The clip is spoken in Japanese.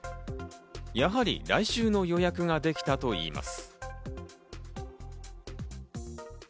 やはり来週の予約ができたといいます。